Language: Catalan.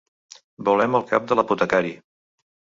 Volem el cap de l'apotecari.